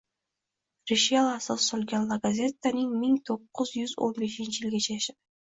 Rishele asos solgan «La Gazette» ming to'qqiz yuz o'n beshinchi yilgacha yashadi.